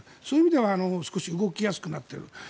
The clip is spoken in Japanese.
そういう意味では少し動きやすくなっている。